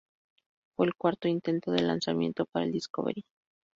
Fue al cuarto intento de lanzamiento para el Discovery.